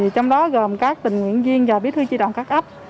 trong đó gồm các tình nguyện viên và biết thư chỉ đạo các ấp